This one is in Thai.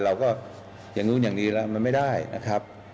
เราก็อย่างนู้นอย่างนี้แล้วมันไม่ได้นะครับ